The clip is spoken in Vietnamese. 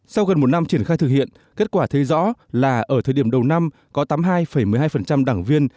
sau gần một năm triển khai thực hiện kết quả thấy rõ là ở thời điểm đầu năm có tám mươi hai một mươi hai đảng viên